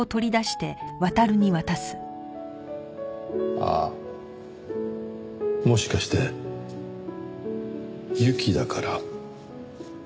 あっもしかして「ユキ」だから「スノウ」？